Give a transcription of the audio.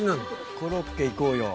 コロッケ行こうよ。